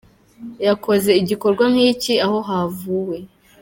yakoze igikorwa nk’iki aho havuwe